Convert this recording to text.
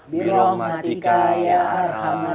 birahmatika ya arhamarrahimin amin